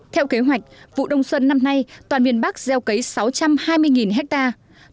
theo kế hoạch vụ đông xuân năm nay toàn miền bắc gieo cấy sáu trăm hai mươi hectare